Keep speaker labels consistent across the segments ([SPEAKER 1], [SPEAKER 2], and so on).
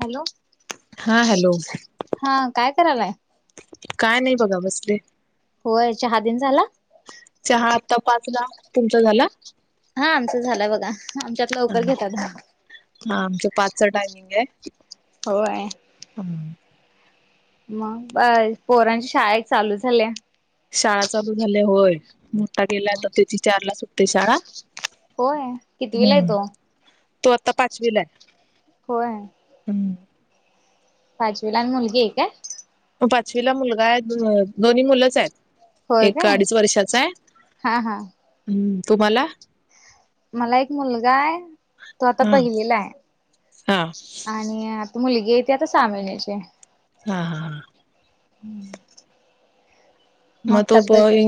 [SPEAKER 1] Hello
[SPEAKER 2] हा hello
[SPEAKER 1] हा काय करायलाय.
[SPEAKER 2] काय नाही बघा बसले.
[SPEAKER 1] होय चहादीन झाला
[SPEAKER 2] चहा आता पाचला तुमचा झाला.
[SPEAKER 1] हा आमचं झालंय बघा. आमच्यात
[SPEAKER 2] हा
[SPEAKER 1] लवकर घेतात ह
[SPEAKER 2] हा आमच पाच चं टायमिंग ये.
[SPEAKER 1] होय. मग प पोरांची शाळ एक चालू झाल्या
[SPEAKER 2] शाळा चालू झाल्या होय. मोठा गेलाय अता त्याची चार ला सुटते शाळा.
[SPEAKER 1] होय कितविला
[SPEAKER 2] हम्म
[SPEAKER 1] येतो?
[SPEAKER 2] तो आता पाचवीलाय.
[SPEAKER 1] होय! पाचवीला आणि मुलगी ये काय?
[SPEAKER 2] पाचवीला मुलगा आहे. दोन्ही मुलंच आहेत.
[SPEAKER 1] होय काय
[SPEAKER 2] एक अडीच वर्षाचाय.
[SPEAKER 1] हा हा
[SPEAKER 2] हम. तुम्हाला?
[SPEAKER 1] मला एक मुलगाय तो आता
[SPEAKER 2] हा
[SPEAKER 1] पहिलेलाय
[SPEAKER 2] हा हा
[SPEAKER 1] आणि मुलगीेय ती आता सां महिण्याचीय.
[SPEAKER 2] हा हा हा.
[SPEAKER 1] [unintelligible] मग
[SPEAKER 2] मटोप
[SPEAKER 1] तब्येत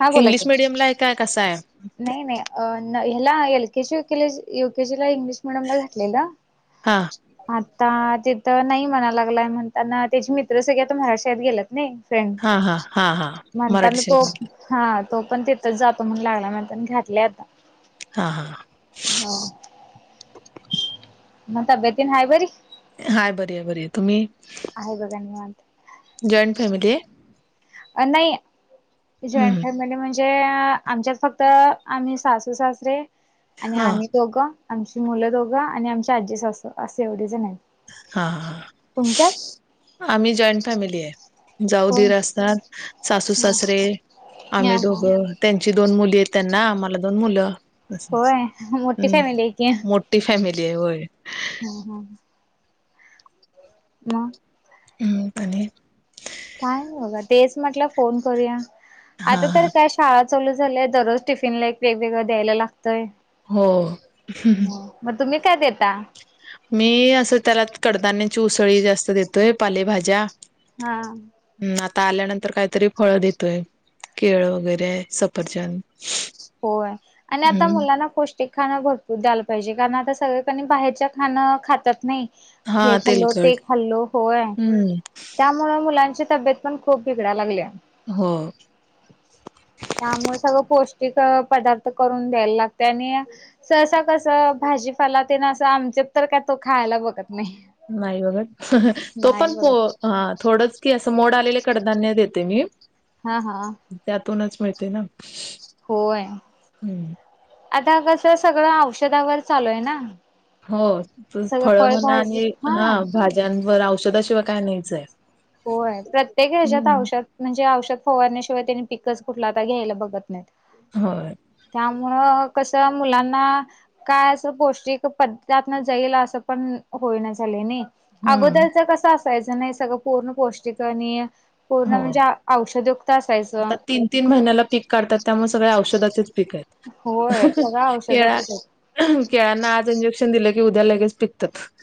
[SPEAKER 1] हा बोला की
[SPEAKER 2] इंग्लिश मिडियम ला हाय काय, कसाय?
[SPEAKER 1] ह्यला एलकेजी के युकेलेजी यूकेजिला इंग्लिश मिडियम ला घातलेलं
[SPEAKER 2] हा
[SPEAKER 1] ना? आता तिथं नाही म्हणाला लागलाय म्हणताना त्याची मित्र सगळी आता मराठी शाळेत गेल्यात नइ फ्रेंड
[SPEAKER 2] हा हा हा हा मराठी
[SPEAKER 1] म्हणताना तो
[SPEAKER 2] शाळेत
[SPEAKER 1] हा तो पण तिथंच जातो म्हणून लागलाय म्हणताना घातलय आता
[SPEAKER 2] हा हा
[SPEAKER 1] ह म तब्यतीन हाय बरी?
[SPEAKER 2] हाय बरी हाय बरीय तुम्ही?
[SPEAKER 1] आहे बघा निवांत.
[SPEAKER 2] जॉईंट फॅमिलीय?
[SPEAKER 1] नाही जॉ
[SPEAKER 2] हम्म
[SPEAKER 1] फॅमिली म्हणज म्हणजे आमच्यात फक्त आम्ही सासू सासरे आणि
[SPEAKER 2] हां,
[SPEAKER 1] आम्ही दोघं आमची मुलं दोघं आणि आमची आजी सासू असं एवढी जन हाईत.
[SPEAKER 2] हा आम्ही जॉईंट फॅमिलीय
[SPEAKER 1] हो
[SPEAKER 2] जाऊ-दिर असतात सासू-सासरे आम्ही दोघं त्यांची दोन मुली येत त्यांना आम्हाला दोन मुलं
[SPEAKER 1] होय मोठी
[SPEAKER 2] हम!
[SPEAKER 1] फॅमिली आहे की
[SPEAKER 2] मोठी फॅमिली हाय होय.
[SPEAKER 1] हा म
[SPEAKER 2] हं आणि
[SPEAKER 1] काय बोला क तेच म्हटलं फोन करूया आता
[SPEAKER 2] हां,
[SPEAKER 1] तर
[SPEAKER 2] हां.
[SPEAKER 1] काय शाळा चालू झालेत दररोज टिफिन ला वेगवेगळं द्यायला लागतंय
[SPEAKER 2] हो.
[SPEAKER 1] तुमी काय देत
[SPEAKER 2] मी असं त्याला कडधान्याची उसळी जास्त देतोय. पालेभाज्या
[SPEAKER 1] हा
[SPEAKER 2] हम आता आल्यानंतर काहीतरी फळं देतोय, केळं वगैरे सफरचंद
[SPEAKER 1] होय आणि आता
[SPEAKER 2] हं.
[SPEAKER 1] मुलांना पौष्टिक खाणं भरपूर द्यायला पाहिजे कारण आता सगळं बाहेरच्या खाणं खात्यात नइ हे
[SPEAKER 2] हां,
[SPEAKER 1] खाल्लो ते
[SPEAKER 2] तेलकट.
[SPEAKER 1] खाल्लो होय
[SPEAKER 2] हं.
[SPEAKER 1] त्यामुळं मुलां ची तब्बेत पण खूप बिगडाय लागल्या.
[SPEAKER 2] हो.
[SPEAKER 1] त्यामुळं सगळं पौ क पदार्थ करून द्यायला लागतंय आणि सहसा कसं भाजीपाला तेन असं आम त्यो तर काय तो खायला बघत नाही.
[SPEAKER 2] नाही बघत. तो
[SPEAKER 1] नाही
[SPEAKER 2] पण
[SPEAKER 1] बघत.
[SPEAKER 2] अ थोड चं की असं मोड आलेले कडधान्य देते मी.
[SPEAKER 1] हा हा.
[SPEAKER 2] तूनच मिळते ना?
[SPEAKER 1] होय.
[SPEAKER 2] हम्म
[SPEAKER 1] आता कसं सगळं औषधावर चालू आहे ना,
[SPEAKER 2] हो
[SPEAKER 1] सगळं
[SPEAKER 2] फळ म्हणा
[SPEAKER 1] फळभाजी
[SPEAKER 2] आणि हा भाज्यांवर औषध शिवाय काय नाहीच आहे.
[SPEAKER 1] होय प्रत्येक ह्याच्यात
[SPEAKER 2] हम्म
[SPEAKER 1] औषात म्हणजे औषध फवारण्या शिवाय त्यांनी पिकच कुठला आता घ्यायला बघत नाही
[SPEAKER 2] होय
[SPEAKER 1] त्यामुळं. कसं मुलांना काय असं पौष्टिक पद्धजातन जाईल असं पण होईना झालं नाही.
[SPEAKER 2] हम्म
[SPEAKER 1] अगोदरच कसं असायचं नाही सगळं पूर्ण पौष्टिक आणि पूर्ण
[SPEAKER 2] हो
[SPEAKER 1] म्हणजे औषधयुक्त असायचं
[SPEAKER 2] आता तीन तीन महिन्याला पीक काढतात. त्यामुळे सगळे औषधाचेच पीक आहेत.
[SPEAKER 1] होय सगळं
[SPEAKER 2] केळा
[SPEAKER 1] औषधाचच
[SPEAKER 2] केळ्यांना आज इंजेक्शन दिल. की उद्या लगेच पिक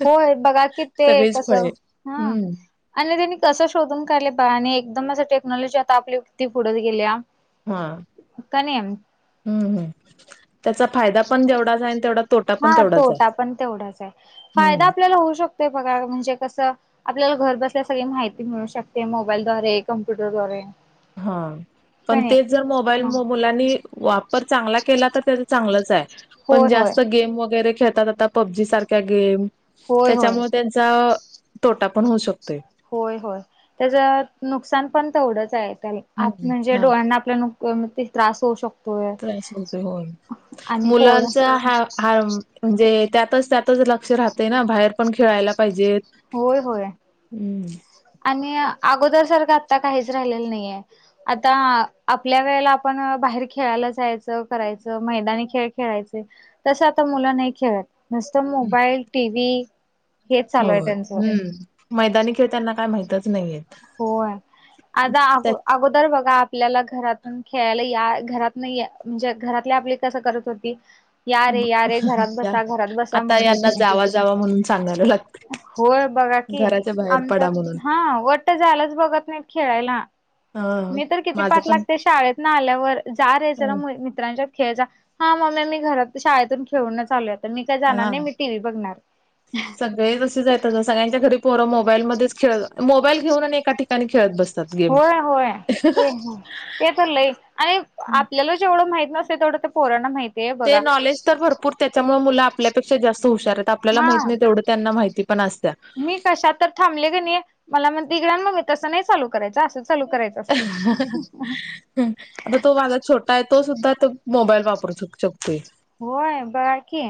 [SPEAKER 1] होय बघा कि ते कस ह.
[SPEAKER 2] फळे हम्म
[SPEAKER 1] आणि त्यांनी कसं शोधून काढले. आणि एकदम असं टेक्नॉलॉजी आता आपली [unintelligible] वती पुडत गेल्या.
[SPEAKER 2] हा
[SPEAKER 1] का नाही
[SPEAKER 2] हम्म हम्म त्याचा फायदा पण जेवढा जा तेवढा तोटा पण
[SPEAKER 1] हा
[SPEAKER 2] तेवढाच आहे
[SPEAKER 1] तोटा पण तेवढाच आहे.
[SPEAKER 2] हम्म
[SPEAKER 1] फायदा आपल्याला होऊ शकतोय, बघा म्हणजे कसं आपल्याला घर बसल्यास सगळी माहिती मिळू शकते. मोबाईल, द्वारे कम्प्युटर,
[SPEAKER 2] हा पण तेच जर मोबाईल
[SPEAKER 1] ह
[SPEAKER 2] मुलांनी वापर चांगला केला. तर त्या चांगलंच आहे. पण
[SPEAKER 1] होय होय
[SPEAKER 2] जास्त गेम वगैरे खेळतात. आता पबजी सारख्या गेम
[SPEAKER 1] होय होय
[SPEAKER 2] त्याच्यामुळे त्यांचा तोटा पण होऊ शकतोय.
[SPEAKER 1] होय होय त्याच नुकसान पण तेवढंच आहे. [unintelligible]
[SPEAKER 2] हम्म
[SPEAKER 1] आतम्हणजे
[SPEAKER 2] हा
[SPEAKER 1] डोळ्यांना नुक आपल्याक त्रास होऊ शकतोय.
[SPEAKER 2] त्रास होतोय होय
[SPEAKER 1] आणि पोर
[SPEAKER 2] मुलांचा हा ह [unintelligible] म्हणजे त्यातच त्यातच लक्ष राहतं हे ना, बाहेर पण खेळायला पाहिजेत.
[SPEAKER 1] होय होय
[SPEAKER 2] हम्म
[SPEAKER 1] आणि अगोदर सारख आता काहीच राहिलं नाहीये. आता आपल्या वेळेला आपण बाहेर खेळा याला जायच करायचं मैदानी खेळ खेळायचे तस आता मुलं नाही खेळत. नुसतं मोबाईल टी व्ही हे चालू आहे.
[SPEAKER 2] होय
[SPEAKER 1] त्यांचं
[SPEAKER 2] हम्म मैदानी खेळताना काय माहितच नाहीयेत.
[SPEAKER 1] होय आजा आगो अगोदर बघा आपल्याला घरातून खेळायला, या घरात नाही म्हणजे घरातले आपली कसं करत होती. या रे या रे घरात
[SPEAKER 2] त्या
[SPEAKER 1] बसा घरात बसा
[SPEAKER 2] आता
[SPEAKER 1] म्हणत
[SPEAKER 2] यांना
[SPEAKER 1] होतो.
[SPEAKER 2] जावा जावा म्हणून सांगायला लागते
[SPEAKER 1] होय बघा की
[SPEAKER 2] घराच्या बाहेर पडा म्हणून
[SPEAKER 1] आमचं हा वट झालंच बघत नाही खेळायला.
[SPEAKER 2] ह
[SPEAKER 1] मी तर किती
[SPEAKER 2] माझं
[SPEAKER 1] पाक
[SPEAKER 2] पण
[SPEAKER 1] लागते शाळेत ना, आल्यावर जारे जरा
[SPEAKER 2] हं,
[SPEAKER 1] मै मित्रांच्या खेळ जा. हां मम्मी मी घरात शाळेतून खेळून चालूयत
[SPEAKER 2] हा. सगळे तसे जाय सगळ्यांच्या घरी पोर मोबाईल मध्येच खेळ मोबाईल, घेऊन एका ठिकाणी खेळत बसते.
[SPEAKER 1] होय होय ते ते तर लई आणि आपल्याला जेवढं माहित. तेवढं ते पोरांना माहीत.
[SPEAKER 2] ते नॉलेज तर भरपूर त्याच्यामुळे, मुलं आपल्यापेक्षा जास्त हुशार आहेत आपल्याला
[SPEAKER 1] हा
[SPEAKER 2] माहत नाही. तेवढं त्यांना माहिती. पण असत्या.
[SPEAKER 1] मी कशात तर थांबले क नाही मला मग [unintelligible] आहे तगडण मग तस नाही चालू करायचं अस
[SPEAKER 2] आता तो माझा छोटा आहे तो सुद्धा त मोबाईल वापरू शक शक
[SPEAKER 1] होय बघा की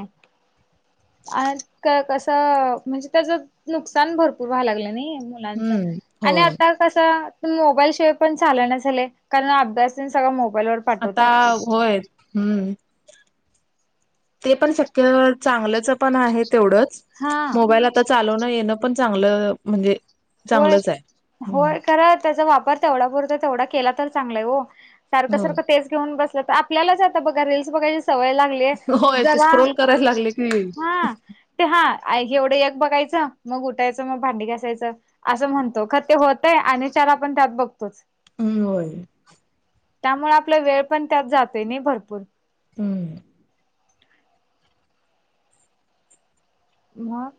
[SPEAKER 1] आज क कसं म्हणजे त्याच नुकसान भरपूर व्हायला लागलं नाही. मुलांच
[SPEAKER 2] हम्म
[SPEAKER 1] आणि
[SPEAKER 2] होय
[SPEAKER 1] आता कस मोबाईल, शिवाय पण चाल न झालाय कारण अभ्यास न सगळ मो
[SPEAKER 2] आता होय हम्म. ते पण शक्य चांगल्याच पण आहे तेवढंच
[SPEAKER 1] हा
[SPEAKER 2] मोबाईल, आता चालण येण पण चांगलं म्हणजे
[SPEAKER 1] होय
[SPEAKER 2] चांगलंच आहे. हम्म
[SPEAKER 1] होय खरा त्याचा वापर तेवढा पुरता तेवढा केला तर चांगलाय हो. सारखं
[SPEAKER 2] होय.
[SPEAKER 1] सारखं तेच घेऊन बसलं तर आपल्यालाच आता बघा रीलस बघाय सवय लागलीय
[SPEAKER 2] होय ते
[SPEAKER 1] जला
[SPEAKER 2] स्क्रोल करायला लागले की येईल.
[SPEAKER 1] हा ते हा एवढं एैक बघायचं मग उठायचं मग भांडी घासायचं असं म्हणतो ख ते होतय आणि चला आपण त्यात बघतोच
[SPEAKER 2] हम् होय
[SPEAKER 1] त्यामुळे आपला वेळ पण त्यात जातय नाही भरपूर
[SPEAKER 2] हम्म
[SPEAKER 1] मग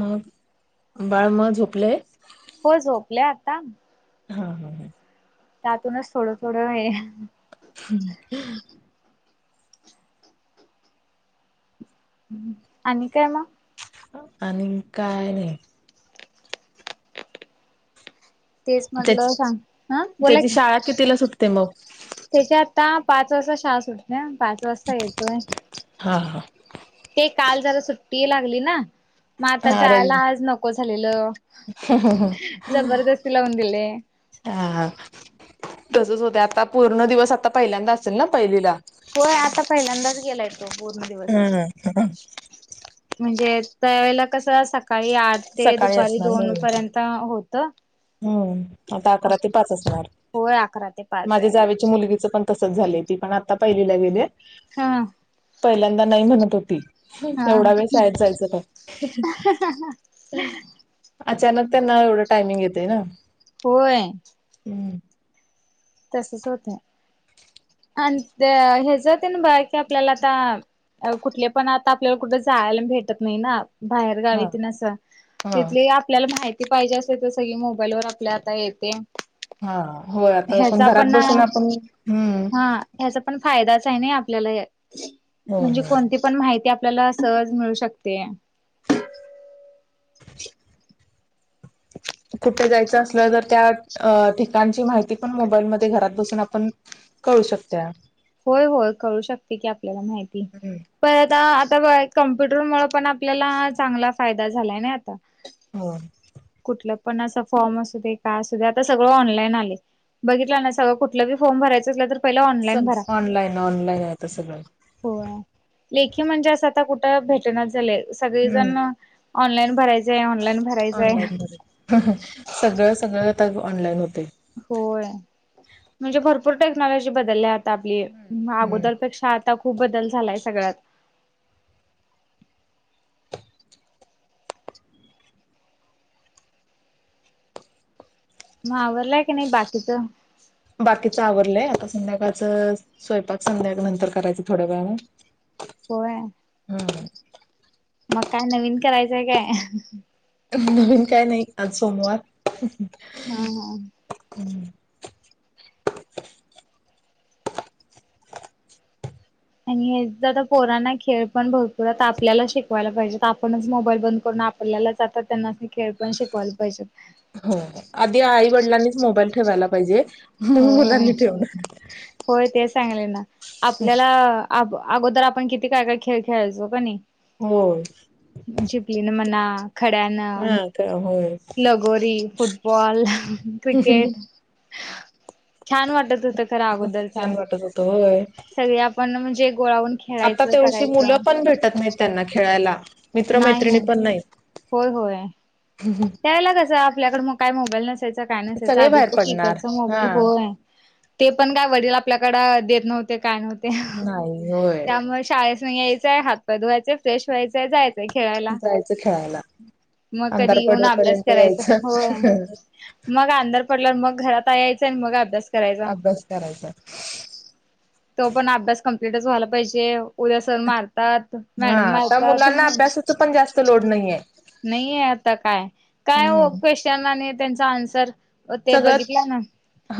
[SPEAKER 2] मग बाळ म झोपलेय
[SPEAKER 1] हो झोपल्या आता
[SPEAKER 2] हा हा हा
[SPEAKER 1] त्यातूनच थोडं थोडं हे
[SPEAKER 2] हम्म
[SPEAKER 1] आणि काय म
[SPEAKER 2] आणि काय नाही
[SPEAKER 1] तेच म्हटलं
[SPEAKER 2] त्याची
[SPEAKER 1] सांग हं बोला
[SPEAKER 2] त्याची
[SPEAKER 1] की
[SPEAKER 2] शाळा कितीला सुटते मग
[SPEAKER 1] त्याच्या आता पाच वाजष शाळा सुटते पाच वाजता येतोय
[SPEAKER 2] हा हा
[SPEAKER 1] ते काल जरा सुट्टी लागली ना मग आता
[SPEAKER 2] हा
[SPEAKER 1] जायला
[SPEAKER 2] रवी
[SPEAKER 1] आज नको झालेलं जबरदस्ती लावून दिले
[SPEAKER 2] हा तसच होत आता पूर्ण दिवस आता पहिल्यांदा असेल ना पहिलीला
[SPEAKER 1] होय आता पहिल्यांदाच गेलाय तो पूर्ण दिवस
[SPEAKER 2] हम
[SPEAKER 1] म्हणजे त्यावेळेला कस सकाळी आठ ते
[SPEAKER 2] सकाळी
[SPEAKER 1] दुपारी
[SPEAKER 2] असणार हो
[SPEAKER 1] दोन पर्यंत होत तर
[SPEAKER 2] हम्म आता अकरा ते पाच असणार
[SPEAKER 1] होय अकरा ते पाच
[SPEAKER 2] माझ्या
[SPEAKER 1] आहे
[SPEAKER 2] जावेची मुलगीच पण तस त पण आता पहिलीला गेली
[SPEAKER 1] हा
[SPEAKER 2] पहिल्यांदा नाही म्हणत होती
[SPEAKER 1] हा हा
[SPEAKER 2] एवढा वेळ शाळेत जायचं पण अचानक त्यांना एवढं टायमिंग येते ना
[SPEAKER 1] होय
[SPEAKER 2] हम्म
[SPEAKER 1] तसच होत आणि हेात ना बा की आपल्याला आता अ कुठले पण आता आपल्याला कुठे जायला भेटत नाही ना बाहेर
[SPEAKER 2] हा
[SPEAKER 1] गावीत नस
[SPEAKER 2] हा
[SPEAKER 1] तिथली आपल्याला माहिती ती पाहिजे असते तर सगळी मोबाईल वर आपल्या आता येते
[SPEAKER 2] हा हो आता पण घरात बसून आपण हम्म
[SPEAKER 1] हा ह्याचा पण फायदाच आहे ना आपल्याला या
[SPEAKER 2] होय
[SPEAKER 1] म्हणजे
[SPEAKER 2] होय.
[SPEAKER 1] कोणती पण माहिती. आपल्याला सहज मिळू शकते.
[SPEAKER 2] कुठे जायचं असलं तर त्या अं ठिकाणची माहिती पण मोबाईलमध्ये घरात बसून आपण. कळू शकत्या.
[SPEAKER 1] होय होय कळू शकते की आपल्याला माहिती
[SPEAKER 2] हम्म
[SPEAKER 1] पण आता आता बघा की. कम्प्युटरमुळ पण आपल्याला चांगला फायदा झालाय ना आता.
[SPEAKER 2] हो.
[SPEAKER 1] कुठलं पण असं फॉर्म असू दे काय असू दे आता सगळं ऑनलाईन आलय. बघितलं ना सगळं कुठलं भी फॉर्म भरायच असलं तर. पहिला ऑनलाइन
[SPEAKER 2] सग
[SPEAKER 1] भरा
[SPEAKER 2] ऑनलाईन ऑनलाईन आहे आता सगळं.
[SPEAKER 1] होय लेखी म्हणजे असा. आता कुठं भेटणाच झालय
[SPEAKER 2] हम्म
[SPEAKER 1] सगळेजण ऑनलाईन भरायचय ऑनलाईन भरायचंय.
[SPEAKER 2] ऑनलाईन सगळं सगळं आता ऑनलाईन होतय.
[SPEAKER 1] होय म्हणजे भरपूर टेक्नॉलॉजी बदलल्या. आपली
[SPEAKER 2] हम्म
[SPEAKER 1] अगोदरपेक्षा. आता खूप बदल झालाय सगळ्यात. मगं आवरलाय की नाही बाकीच.
[SPEAKER 2] बाकीच आवरलय आता संध्याकाळचं स्वयंपाक संध्याकाळ नंतर करायचं थोड्या वेळान.
[SPEAKER 1] होय.
[SPEAKER 2] हम्म.
[SPEAKER 1] मगं काय नवीन करायचंय हाय काय.?
[SPEAKER 2] नवीन काय नाही आज सोमवार.
[SPEAKER 1] हा हा.
[SPEAKER 2] हम्म
[SPEAKER 1] आणि हेच आता पोरांना खेळ पण भरपूर आता आपल्याला शिकवायला पाहिजेत आपणच मोबाईल बंद करून. आपल्यालाच आता त्यांना खेळ पण शिकवायला पाहिजेत
[SPEAKER 2] हो आधी आई वडिलांनीच मोबाईल ठेवायला पाहिजे. मग
[SPEAKER 1] होय
[SPEAKER 2] मुलांनी ठेवणार
[SPEAKER 1] होय तेच सांगाले ना आपल्याला. अ अगोदर आपण किती काय काय खेळ खेळायचो कणी
[SPEAKER 2] होय
[SPEAKER 1] झिबली न म्हणा. खड्याण,
[SPEAKER 2] हा का होय
[SPEAKER 1] लगोरी, फुटबॉल, क्रिकेट. छान वाटत होत खरं अगोदरच
[SPEAKER 2] छान वाटत होत होय
[SPEAKER 1] सगळे आपण म्हणजे गोळावून
[SPEAKER 2] आता
[SPEAKER 1] खेळायचं
[SPEAKER 2] तेवढशी मुलं
[SPEAKER 1] करायचं
[SPEAKER 2] पण भेटत नाहीत त्यांना खेळायला
[SPEAKER 1] नाही
[SPEAKER 2] मित्रमैत्रिणी
[SPEAKER 1] नाही
[SPEAKER 2] पण नाहीत
[SPEAKER 1] होय होय. त्त्यावेळेला कसं आपल्याकडे मग काय मोबाईल नसा. काय नसायच
[SPEAKER 2] सगळे
[SPEAKER 1] आधीच
[SPEAKER 2] बाहेर
[SPEAKER 1] तो
[SPEAKER 2] पडणार
[SPEAKER 1] कीपॅडचा मोबाईल
[SPEAKER 2] हा
[SPEAKER 1] होय. ते पण काय वडील आपल्याकडे देत नव्हते काय नव्हते
[SPEAKER 2] नाही होय
[SPEAKER 1] त्यामुळे शाळेस. न यायचंय हात पाय धुवायचंय फ्रेश.
[SPEAKER 2] जायचं खेळायला अंधार
[SPEAKER 1] होऊन अभ्यास
[SPEAKER 2] पडेपर्यंत
[SPEAKER 1] करायच होय
[SPEAKER 2] यायचं
[SPEAKER 1] मग अंधार पडल्यावर मग घरात यायचं आणि मग अभ्यास. करायचा
[SPEAKER 2] अभ्यास करायचा
[SPEAKER 1] तो पण अभ्यास कमप्लीटच व्हायला पाहिजे. उद्या सर मारतात
[SPEAKER 2] हा
[SPEAKER 1] मॅडम
[SPEAKER 2] आता
[SPEAKER 1] मारतात.
[SPEAKER 2] मुलांना अभ्यासाच पण जास्त लोड नाहीये
[SPEAKER 1] नाही आहे आता काय काय
[SPEAKER 2] हम्म
[SPEAKER 1] ओ क्वेशन आणि त्याचं आन्सर. ओ ते
[SPEAKER 2] सगळं
[SPEAKER 1] बघितलं ना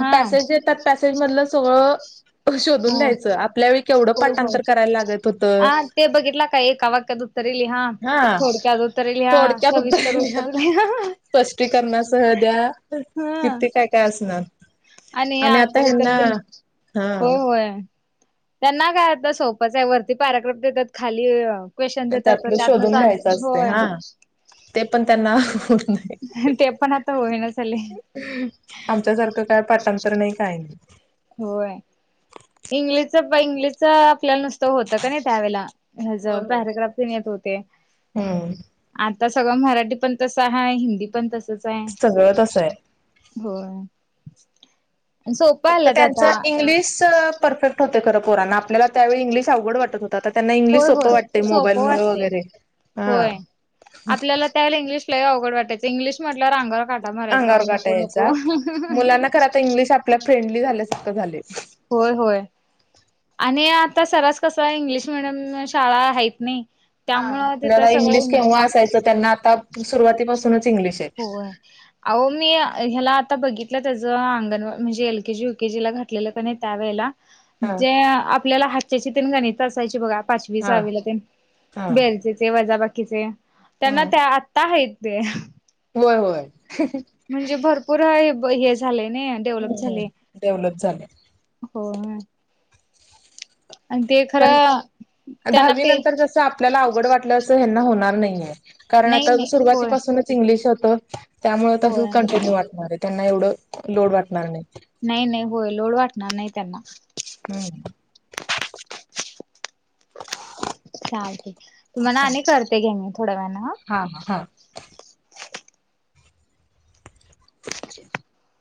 [SPEAKER 1] हा.
[SPEAKER 2] पॅसेज येतात पॅसेज मधलं सगळं शोधून
[SPEAKER 1] हो
[SPEAKER 2] लिहायचं आपल्या वेळी केवढं
[SPEAKER 1] होय होय
[SPEAKER 2] पाठांतर करायला लागत होतं.
[SPEAKER 1] हा ते बघितला काय एका वाक्यात उत्तरे. लिहा
[SPEAKER 2] हा.
[SPEAKER 1] थोडक्यात उत्तरे लिहा सविस्तर उत्तरे लिहा.
[SPEAKER 2] स्पष्टीकरणासह द्या
[SPEAKER 1] ह
[SPEAKER 2] किती काय काय असणार.
[SPEAKER 1] आणि
[SPEAKER 2] आता
[SPEAKER 1] आकृत्या
[SPEAKER 2] ह्यांना
[SPEAKER 1] तेन
[SPEAKER 2] हा
[SPEAKER 1] होय होय. त्यांना काय आता सोपच आहे वरती पॅरिग्राफ देतात खाली अं. क्वेश्चन देतात
[SPEAKER 2] त्यातलं शोधून
[SPEAKER 1] त्यातूनच
[SPEAKER 2] लिहायचं
[SPEAKER 1] आन्सर
[SPEAKER 2] असते
[SPEAKER 1] होय.
[SPEAKER 2] हा. ते पण त्यांना होत
[SPEAKER 1] ते पण आता होईना झालय
[SPEAKER 2] आमच्यासारखं काय पाठांतर. तर नाही काय.
[SPEAKER 1] होय इंग्लिशच इंग्लिशच. नुसत होत का नाही त्यावेला ह
[SPEAKER 2] होय होय.
[SPEAKER 1] पॅरग्राफ येत होते.
[SPEAKER 2] हम्म
[SPEAKER 1] आता सगळं मराठी पण तसं आहे हिंदी पण तसच आहे
[SPEAKER 2] सगळं तसं आहे.
[SPEAKER 1] हो. [unintelligible]
[SPEAKER 2] फक्त त्यांच इंग्लिश परफेक्ट होते खरं पोरांना आपल्याला त्यावेळी इंग्लिश अवघड वाटत हो. आता त्यांना इंग्लिश
[SPEAKER 1] होय
[SPEAKER 2] सोपं
[SPEAKER 1] होय
[SPEAKER 2] वाटत मोबाईल
[SPEAKER 1] सोपं
[SPEAKER 2] मुळे
[SPEAKER 1] वाटतय
[SPEAKER 2] वगैरे हा.
[SPEAKER 1] होय. आपल्याला त्यावेळेला इंग्लिशलाही अवड वाटयं इंग्लिश म्हटलं अगवर
[SPEAKER 2] अंगावर काटा यायचा मुलांना खरं आता इंग्लिश आपल्या फ्रेंडली झाल्यासखं झाले.
[SPEAKER 1] होय होय आणि आ आता सरास कस इंग्लिश मिीडियम शाळा आहेत नाही.
[SPEAKER 2] हा
[SPEAKER 1] त्यामुळं तिथं
[SPEAKER 2] आपल्याला इंग्लिश
[SPEAKER 1] सगळं
[SPEAKER 2] केव्हा असायचं त्यांना आता सुरुवातीपासूनच. इंग्लिश आहे
[SPEAKER 1] होय अहो मी. ह्याला आता बघितलं त्याचं अंगणवा म्हणजे एल के जी यु के जी ला घातलेलं का नाही त्यावेेळेला.
[SPEAKER 2] हा
[SPEAKER 1] जे आपल्याला हातच्याची तन गाणीच असायची बघा. पाचवी
[SPEAKER 2] हा
[SPEAKER 1] सहावीला ते
[SPEAKER 2] हा
[SPEAKER 1] बेरजेचे वजाबाकीचे
[SPEAKER 2] हा
[SPEAKER 1] त्यांना त्या आता आहेत. ते,
[SPEAKER 2] होय होय
[SPEAKER 1] म्हणजे भरपूर आहे. झालायने डेव्हलप झालय,
[SPEAKER 2] डेव्हलप झालं
[SPEAKER 1] होय.
[SPEAKER 2] पण
[SPEAKER 1] त्यांना
[SPEAKER 2] दहावी
[SPEAKER 1] पे
[SPEAKER 2] नंतर जस आपल्याला अवघड वाटलं अस ह्यांना होणार नाही कारण आ
[SPEAKER 1] नाही नाही होय
[SPEAKER 2] सुरुवातीपासून इंग्लिश होत. त्यामुळे तसं
[SPEAKER 1] होय
[SPEAKER 2] कंटिन्यू वाटणार आहे त्यांना एवढं लोड वाटणार नाही.
[SPEAKER 1] नाही नाही होय लोड वाटणार नाही त्यांना.
[SPEAKER 2] हम्.
[SPEAKER 1] चालतय तुम्हाला आणि
[SPEAKER 2] चालेल
[SPEAKER 1] करते की मी. थोड्या वेळानं
[SPEAKER 2] हा हा.
[SPEAKER 1] [inaudible]